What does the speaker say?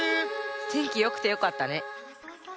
てんきよくてよかったね。